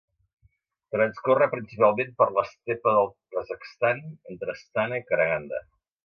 Transcorre principalment per l'estepa del Kazakhstan, entre Astana i Karaganda.